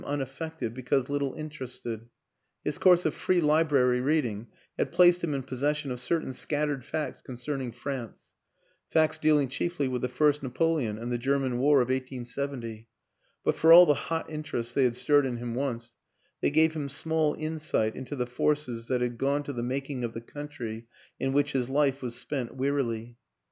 unaffected because little interested. His course of Free Library reading had placed him in pos session of certain scattered facts concerning France, facts dealing chiefly with the First Napo leon and the German War of 1870; but for all the hot interest they had stirred in him once, they gave him small insight into the forces that had gone to the making of the country in which his life was spent wearily.